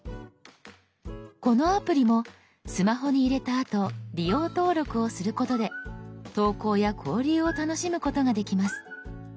このアプリもスマホに入れたあと利用登録をすることで投稿や交流を楽しむことができます。